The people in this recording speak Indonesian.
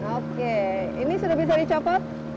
oke ini sudah bisa dicopot